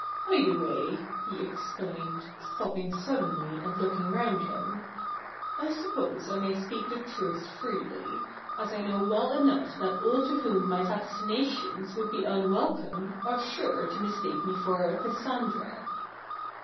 By the way/ he exclaimed, stopping suddenly and looking round him, 'I suppose I miy speak the truth freely, as I know well enough that all to whom my vaticinations would be unwelcome are sure to mistake me for a Cassandra.'